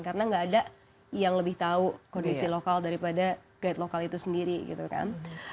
karena nggak ada yang lebih tahu kondisi lokal daripada guide lokal itu sendiri gitu kan